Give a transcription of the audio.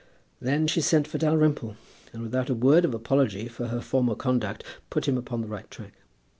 Then she sent for Dalrymple, and without a word of apology for her former conduct, put him upon the right track.